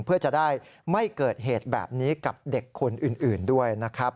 เพื่อจะได้ไม่เกิดเหตุแบบนี้กับเด็กคนอื่นด้วยนะครับ